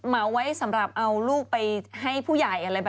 เหมาไว้สำหรับเอาลูกไปให้ผู้ใหญ่อะไรแบบนี้